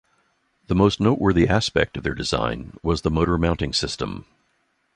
The most noteworthy aspect of their design was the motor mounting system.